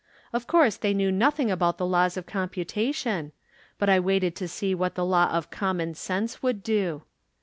Of course they knew nothing about the laws of computation, but I waited to see what the law of common sense would do.